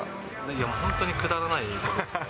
いや本当に、くだらないことですね。